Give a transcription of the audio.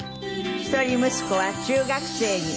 一人息子は中学生に。